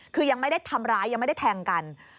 คือยังไม่ได้ทำร้ายยังไม่ได้แทงกัน